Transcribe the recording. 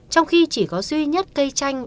trong khi chỉ có duy nhất cây chanh